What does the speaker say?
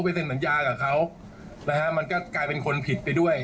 เซ็นสัญญากับเขานะฮะมันก็กลายเป็นคนผิดไปด้วย